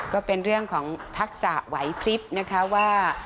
ก็เป็นเรื่องของทักษะไหวพลิบนะคะว่า